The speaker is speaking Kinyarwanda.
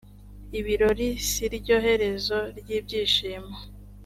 ibirori siryo herezo ryibyishimo.